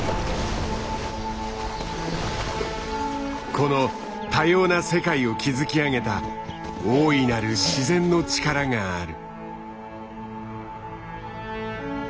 この多様な世界を築き上げた大いなる自然の力がある。